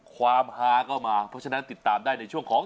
ความฮาก็มาเพราะฉะนั้นติดตามได้ในช่วงของ